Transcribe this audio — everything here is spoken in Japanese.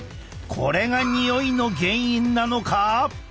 これがにおいの原因なのか！？